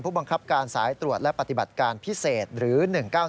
บังคับการสายตรวจและปฏิบัติการพิเศษหรือ๑๙๑